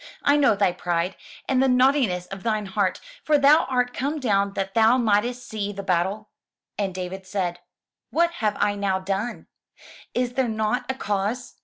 I know thy pride, and the naughtiness of thine heart; for thou art come down that thou mightest see the battle/* And David said, ''What have I now done? Is there not a cause?''